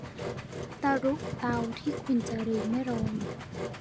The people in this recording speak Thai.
ตะรุเตาที่คุณจะลืมไม่ลง